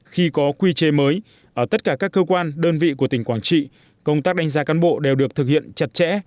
khi có quy chế mới ở tất cả các cơ quan đơn vị của tỉnh quảng trị công tác đánh giá cán bộ đều được thực hiện chặt chẽ